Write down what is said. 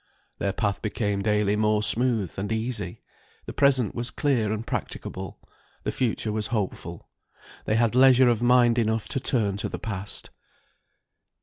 Their path became daily more smooth and easy; the present was clear and practicable, the future was hopeful; they had leisure of mind enough to turn to the past.